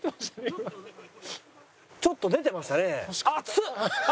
ちょっと出てましたね。